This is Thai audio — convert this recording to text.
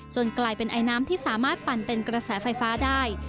กลายเป็นไอน้ำที่สามารถปั่นเป็นกระแสไฟฟ้าได้